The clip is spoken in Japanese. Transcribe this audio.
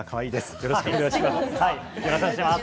よろしくお願いします。